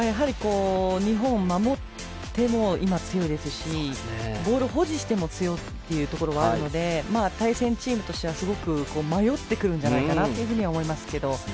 日本、守っても強いですしボールを保持しても強いのはあるので対戦チームとしてはすごく迷ってくるんじゃないかなと思いますけど。